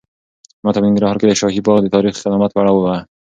ماته په ننګرهار کې د شاهي باغ د تاریخي قدامت په اړه ووایه.